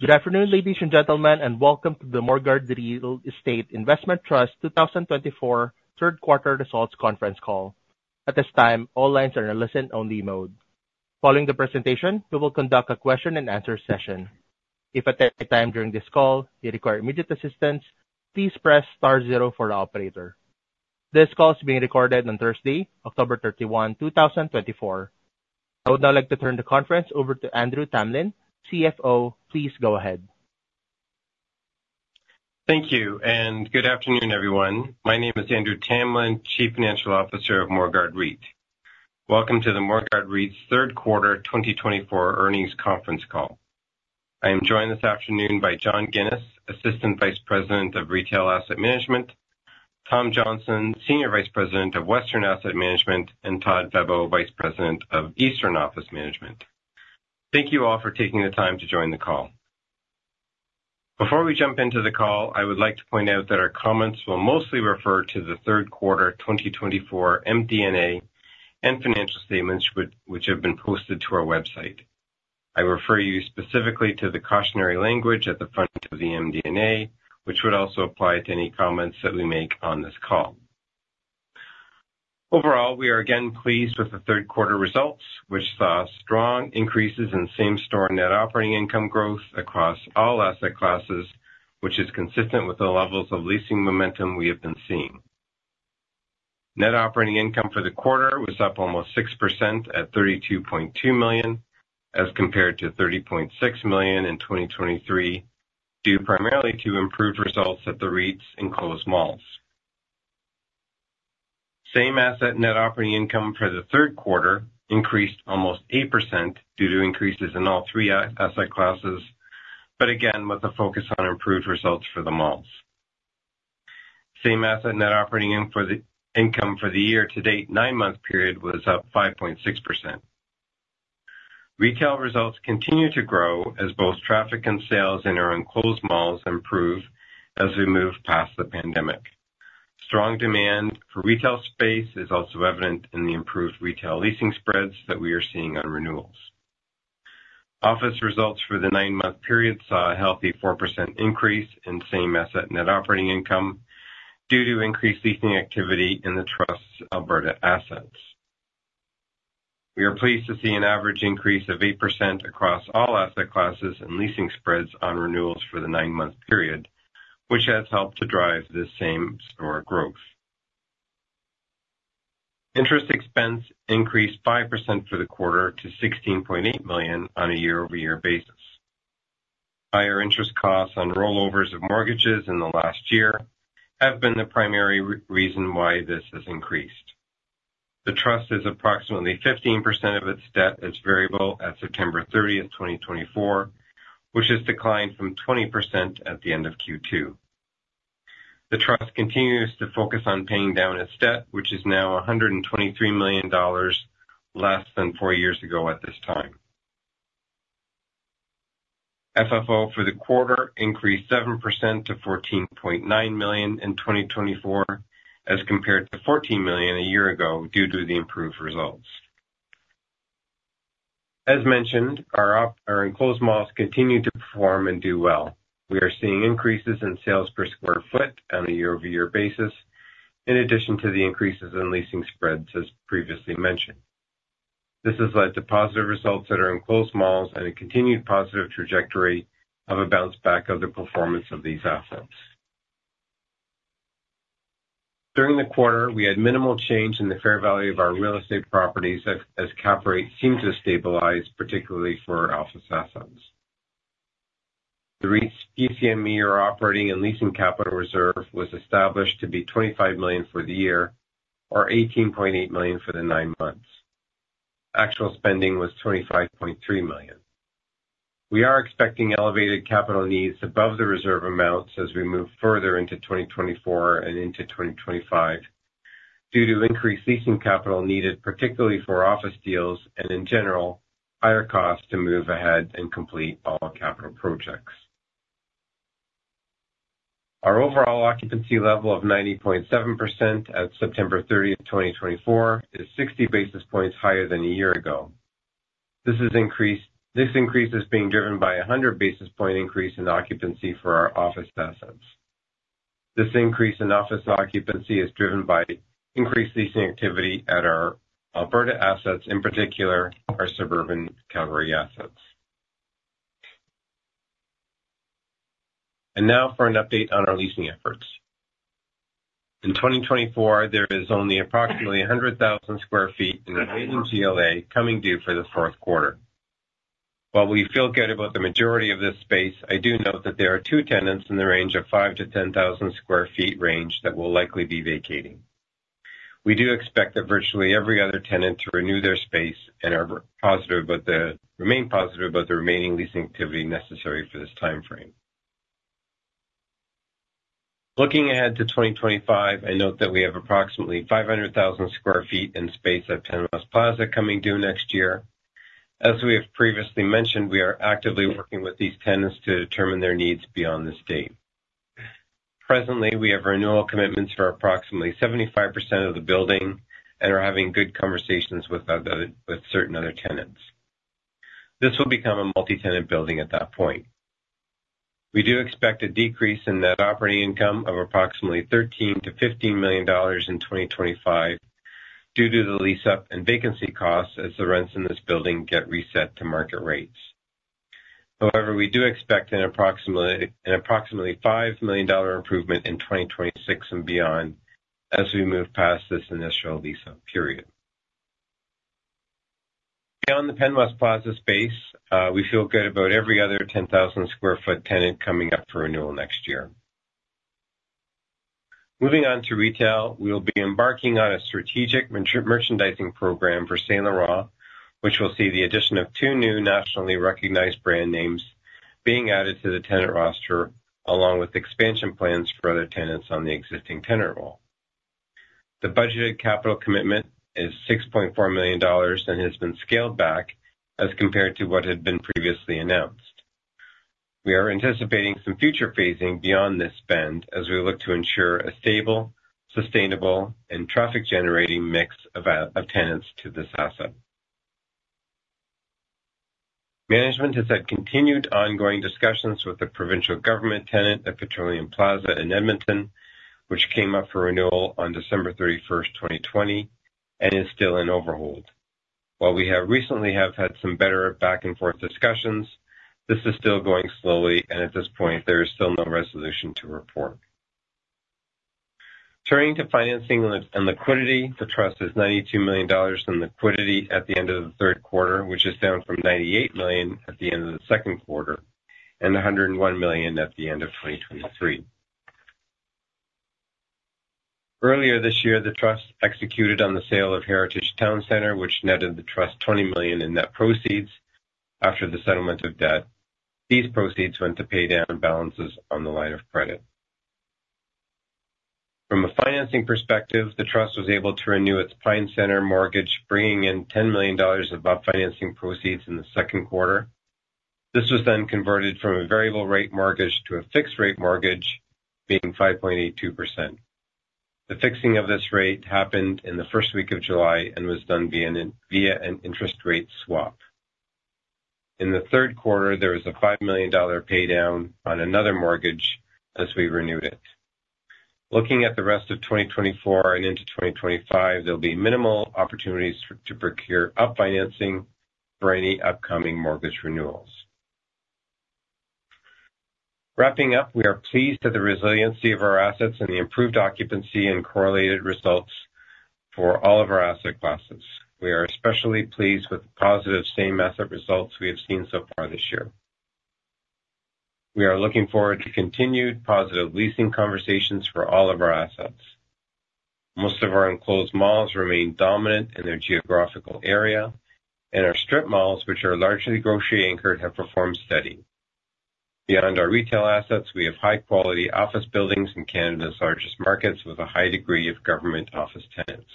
Good afternoon, ladies and gentlemen, and welcome to the Morguard Real Estate Investment Trust 2024 third quarter results conference call. At this time, all lines are in a listen-only mode. Following the presentation, we will conduct a question-and-answer session. If at any time during this call you require immediate assistance, please press star zero for the operator. This call is being recorded on Thursday, October 31, 2024. I would now like to turn the conference over to Andrew Tamlin, CFO. Please go ahead. Thank you, and good afternoon, everyone. My name is Andrew Tamlin, Chief Financial Officer of Morguard REIT. Welcome to the Morguard REIT third quarter 2024 earnings conference call. I am joined this afternoon by John Ginis, Assistant Vice President of Retail Asset Management, Tom Johnston, Senior Vice President of Western Asset Management, and Todd Febbo, Vice President of Eastern Office Management. Thank you all for taking the time to join the call. Before we jump into the call, I would like to point out that our comments will mostly refer to the third quarter 2024 MD&A and financial statements which have been posted to our website. I refer you specifically to the cautionary language at the front of the MD&A, which would also apply to any comments that we make on this call. Overall, we are again pleased with the third quarter results, which saw strong increases in same-asset net operating income growth across all asset classes, which is consistent with the levels of leasing momentum we have been seeing. Net operating income for the quarter was up almost 6% at 32.2 million, as compared to 30.6 million in 2023, due primarily to improved results at the REIT's enclosed malls. Same-asset net operating income for the third quarter increased almost 8% due to increases in all three asset classes, but again with a focus on improved results for the malls. Same-asset net operating income for the year-to-date nine-month period was up 5.6%. Retail results continue to grow as both traffic and sales in our enclosed malls improve as we move past the pandemic. Strong demand for retail space is also evident in the improved retail leasing spreads that we are seeing on renewals. Office results for the nine-month period saw a healthy 4% increase in same-asset net operating income due to increased leasing activity in the Trust's Alberta assets. We are pleased to see an average increase of 8% across all asset classes and leasing spreads on renewals for the nine-month period, which has helped to drive this same-store growth. Interest expense increased 5% for the quarter to 16.8 million on a year-over-year basis. Higher interest costs on rollovers of mortgages in the last year have been the primary reason why this has increased. The Trust is approximately 15% of its debt as variable at September 30th, 2024, which has declined from 20% at the end of Q2. The Trust continues to focus on paying down its debt, which is now 123 million dollars less than four years ago at this time. FFO for the quarter increased 7% to 14.9 million in 2024, as compared to 14 million a year ago due to the improved results. As mentioned, our enclosed malls continue to perform and do well. We are seeing increases in sales per square foot on a year-over-year basis, in addition to the increases in leasing spreads as previously mentioned. This has led to positive results at our enclosed malls and a continued positive trajectory of a bounce back of the performance of these assets. During the quarter, we had minimal change in the fair value of our real estate properties as cap rates seem to stabilize, particularly for office assets. The REIT's PCME or Operating and Leasing Capital Reserve was established to be 25 million for the year, or 18.8 million for the nine months. Actual spending was 25.3 million. We are expecting elevated capital needs above the reserve amounts as we move further into 2024 and into 2025, due to increased leasing capital needed, particularly for office deals and, in general, higher costs to move ahead and complete all capital projects. Our overall occupancy level of 90.7% at September 30th, 2024, is 60 basis points higher than a year ago. This increase is being driven by a 100 basis point increase in occupancy for our office assets. This increase in office occupancy is driven by increased leasing activity at our Alberta assets, in particular our suburban Calgary assets. And now for an update on our leasing efforts. In 2024, there is only approximately 100,000 sq ft in our retail GLA coming due for the fourth quarter. While we feel good about the majority of this space, I do note that there are two tenants in the range of 5,000 sq ft-10,000 sq ft range that will likely be vacating. We do expect that virtually every other tenant to renew their space and remain positive about the remaining leasing activity necessary for this time frame. Looking ahead to 2025, I note that we have approximately 500,000 sq ft in space at Penn West Plaza coming due next year. As we have previously mentioned, we are actively working with these tenants to determine their needs beyond this date. Presently, we have renewal commitments for approximately 75% of the building and are having good conversations with certain other tenants. This will become a multi-tenant building at that point. We do expect a decrease in net operating income of approximately 13 million-15 million dollars in 2025, due to the lease-up and vacancy costs as the rents in this building get reset to market rates. However, we do expect an approximately 5 million dollar improvement in 2026 and beyond as we move past this initial lease-up period. Beyond the Penn West Plaza space, we feel good about every other 10,000 sq ft tenant coming up for renewal next year. Moving on to retail, we will be embarking on a strategic merchandising program for St. Laurent, which will see the addition of two new nationally recognized brand names being added to the tenant roster, along with expansion plans for other tenants on the existing tenant roster. The budgeted capital commitment is 6.4 million dollars and has been scaled back as compared to what had been previously announced. We are anticipating some future phasing beyond this spend as we look to ensure a stable, sustainable, and traffic-generating mix of tenants to this asset. Management has had continued ongoing discussions with the provincial government tenant at Petroleum Plaza in Edmonton, which came up for renewal on December 31st, 2020, and is still in overhold. While we recently have had some better back-and-forth discussions, this is still going slowly, and at this point, there is still no resolution to report. Turning to financing and liquidity, the Trust has 92 million dollars in liquidity at the end of the third quarter, which is down from 98 million at the end of the second quarter and 101 million at the end of 2023. Earlier this year, the Trust executed on the sale of Heritage Towne Centre, which netted the Trust 20 million in net proceeds after the settlement of debt. These proceeds went to pay down balances on the line of credit. From a financing perspective, the Trust was able to renew its Pine Centre mortgage, bringing in 10 million dollars of up-financing proceeds in the second quarter. This was then converted from a variable-rate mortgage to a fixed-rate mortgage, being 5.82%. The fixing of this rate happened in the first week of July and was done via an interest rate swap. In the third quarter, there was a 5 million dollar paydown on another mortgage as we renewed it. Looking at the rest of 2024 and into 2025, there will be minimal opportunities to procure up-financing for any upcoming mortgage renewals. Wrapping up, we are pleased at the resiliency of our assets and the improved occupancy and correlated results for all of our asset classes. We are especially pleased with the positive same-asset results we have seen so far this year. We are looking forward to continued positive leasing conversations for all of our assets. Most of our enclosed malls remain dominant in their geographical area, and our strip malls, which are largely grocery-anchored, have performed steady. Beyond our retail assets, we have high-quality office buildings in Canada's largest markets with a high degree of government office tenants.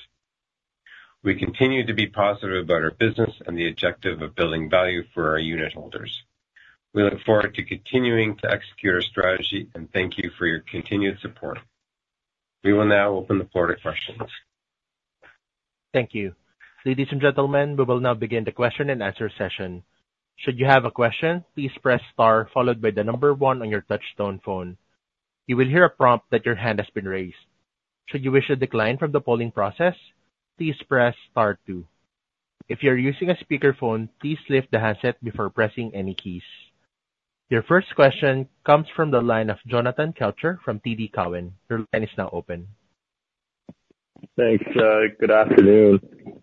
We continue to be positive about our business and the objective of building value for our unit holders. We look forward to continuing to execute our strategy and thank you for your continued support. We will now open the floor to questions. Thank you. Ladies and gentlemen, we will now begin the question-and-answer session. Should you have a question, please press star followed by the number one on your touch-tone phone. You will hear a prompt that your hand has been raised. Should you wish to decline from the polling process, please press star two. If you are using a speakerphone, please lift the handset before pressing any keys. Your first question comes from the line of Jonathan Kelcher from TD Cowen. Your line is now open. Thanks. Good afternoon.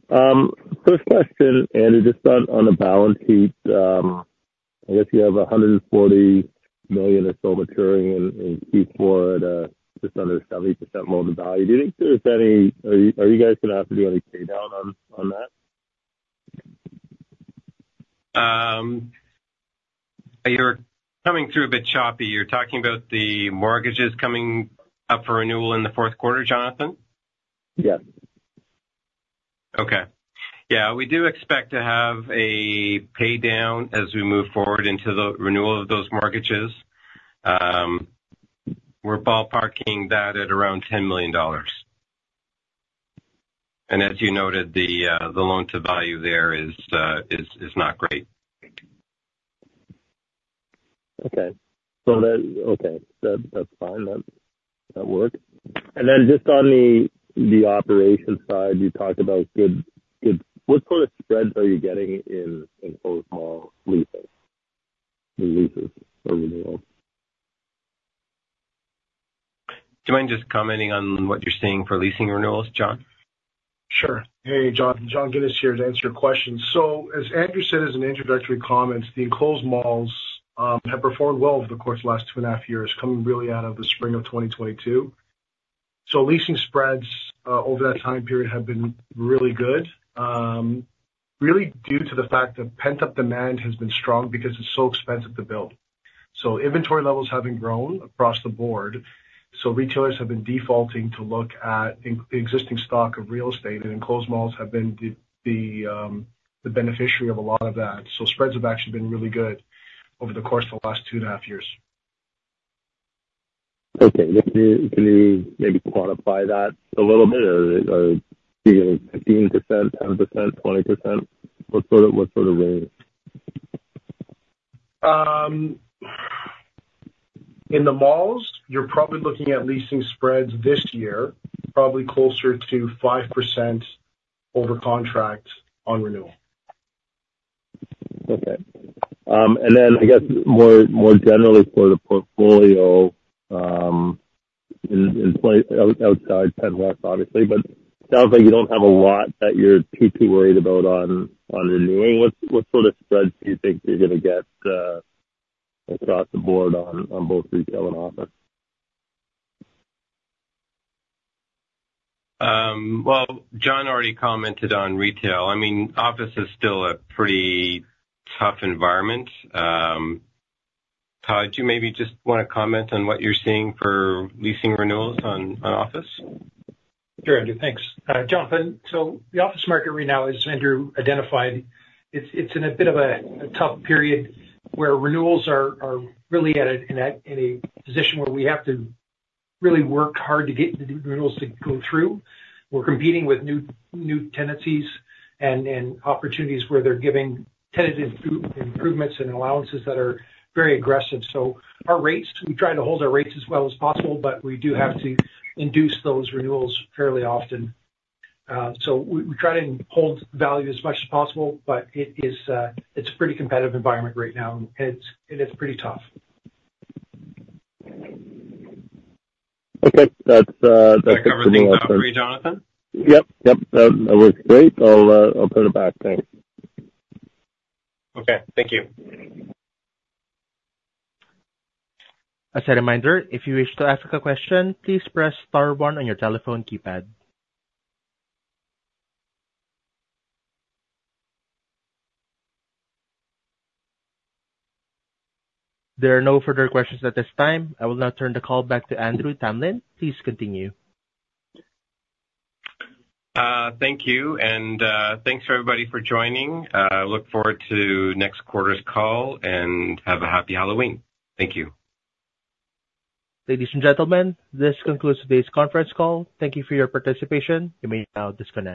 First question, Andrew, just on the balance sheet, I guess you have 140 million or so maturing in Q4 at just under 70% loan to value. Do you think there's any? Are you guys going to have to do any paydown on that? You're coming through a bit choppy. You're talking about the mortgages coming up for renewal in the fourth quarter, Jonathan? Yes. Okay. Yeah, we do expect to have a paydown as we move forward into the renewal of those mortgages. We're ballparking that at around 10 million dollars. And as you noted, the loan to value there is not great. Okay. Okay. That's fine. That works. And then just on the operation side, you talked about good, what sort of spreads are you getting in enclosed mall leases or renewals? Do you mind just commenting on what you're seeing for leasing renewals, John? Sure. Hey, John. John Ginis here to answer your question. So, as Andrew said as an introductory comment, the enclosed malls have performed well over the course of the last two and a half years, coming really out of the spring of 2022. So leasing spreads over that time period have been really good, really due to the fact that pent-up demand has been strong because it's so expensive to build. So inventory levels have been growing across the board. So retailers have been defaulting to look at the existing stock of real estate, and enclosed malls have been the beneficiary of a lot of that. So spreads have actually been really good over the course of the last two and a half years. Okay. Can you maybe quantify that a little bit? Are you going to say 15%, 10%, 20%? What sort of range? In the malls, you're probably looking at leasing spreads this year, probably closer to 5% over contract on renewal. Okay, and then, I guess, more generally for the portfolio outside Penn West Plaza, obviously, but it sounds like you don't have a lot that you're too, too worried about on renewing. What sort of spreads do you think you're going to get across the board on both retail and office? John already commented on retail. I mean, office is still a pretty tough environment. Todd, do you maybe just want to comment on what you're seeing for leasing renewals on office? Sure, Andrew. Thanks. Jonathan, so the office market right now, as Andrew identified, it's in a bit of a tough period where renewals are really at a position where we have to really work hard to get the renewals to go through. We're competing with new tenancies and opportunities where they're giving tenant improvements and allowances that are very aggressive. So our rates, we try to hold our rates as well as possible, but we do have to induce those renewals fairly often. So we try to hold value as much as possible, but it's a pretty competitive environment right now, and it's pretty tough. Okay. That's everything else. Is that covering everything, Jonathan? Yep. Yep. That looks great. I'll put it back. Thanks. Okay. Thank you. As a reminder, if you wish to ask a question, please press star one on your telephone keypad. There are no further questions at this time. I will now turn the call back to Andrew Tamlin. Please continue. Thank you, and thanks for everybody for joining. I look forward to next quarter's call and have a happy Halloween. Thank you. Ladies and gentlemen, this concludes today's conference call. Thank you for your participation. You may now disconnect.